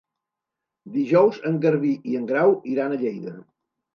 Dijous en Garbí i en Grau iran a Lleida.